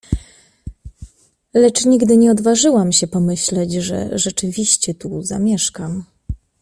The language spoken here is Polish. Lecz nigdy nie odważyłam się pomyśleć, że rzeczywiście tu zamieszkam.